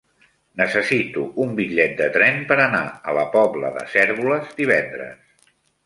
Necessito un bitllet de tren per anar a la Pobla de Cérvoles divendres.